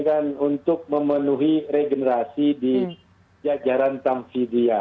dan untuk memenuhi regenerasi di jajaran tamfidia